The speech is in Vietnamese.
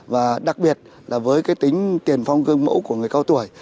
và đặc biệt là với cái tính tiền phong gương mẫu của người cao tuổi